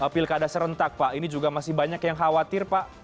pilkada serentak pak ini juga masih banyak yang khawatir pak